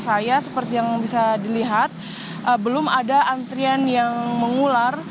saya seperti yang bisa dilihat belum ada antrian yang mengular